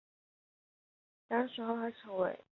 当选后她成为新民主党全国党团主席。